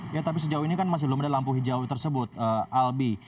ya tapi sejauh ini kan masih belum ada lampu hijau tersebut albi